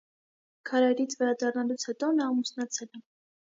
Քարայրից վերադառնալուց հետո նա ամուսնացել է։